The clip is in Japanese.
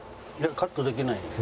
カットできないです。